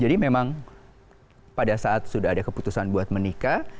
jadi memang pada saat sudah ada keputusan buat menikah